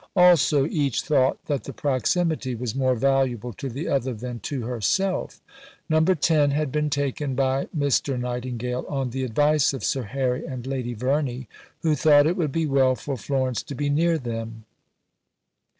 Also each thought that the proximity was more valuable to the other than to herself. No. 10 had been taken by Mr. Nightingale on the advice of Sir Harry and Lady Verney, who thought it would be well for Florence to be near them.